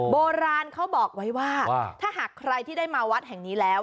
โบราณเขาบอกไว้ว่าถ้าหากใครที่ได้มาวัดแห่งนี้แล้ว